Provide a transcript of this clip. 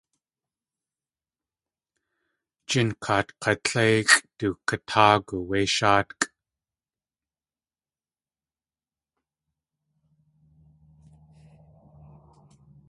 Jinkaat k̲a tléixʼ du katáagu wé shaatkʼ.